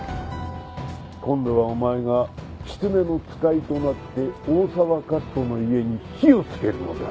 今度はお前が狐の遣いとなって大沢勝子の家に火をつけるのだ。